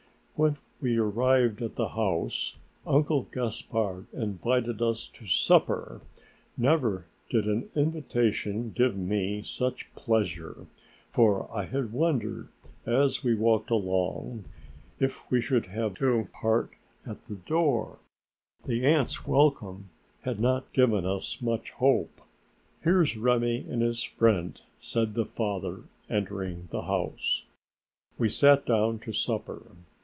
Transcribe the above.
When we arrived at the house, Uncle Gaspard invited us to supper; never did an invitation give me such pleasure, for I had wondered as we walked along if we should have to part at the door, the aunt's welcome not having given us much hope. "Here's Remi and his friend," said the father, entering the house. We sat down to supper.